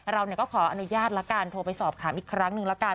เราก็ขออนุญาตละกันโทรไปสอบถามอีกครั้งหนึ่งละกัน